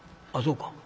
「あっそうか。